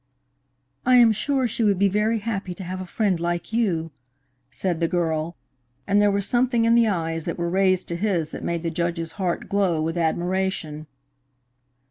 "I am sure she would be very happy to have a friend like you," said the girl, and there was something in the eyes that were raised to his that made the Judge's heart glow with admiration.